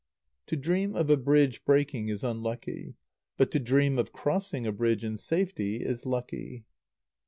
To dream of a bridge breaking is unlucky. But to dream of crossing a bridge in safety is lucky.